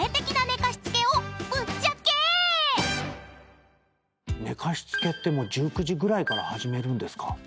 寝かしつけって１９時ぐらいから始めるんですか？